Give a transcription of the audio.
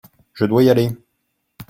Je dois y aller.